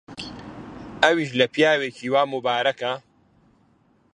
ئەویش لە پیاوێکی وا ممبارەک؟!